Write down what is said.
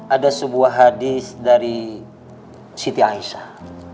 ada sebuah hadis dari siti aisyah